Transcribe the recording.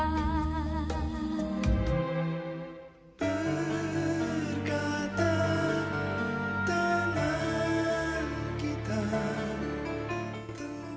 berkata tangan kita